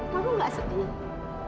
kamu nggak sedih